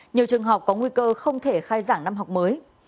nhiều trường học có nguy cơ không thể khai giảng năm học mới